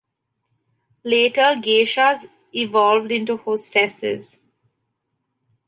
Later geishas evolved into "hostesses".